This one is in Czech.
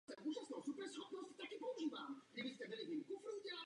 Nebude proto překvapením, že podporuji výměnu informací.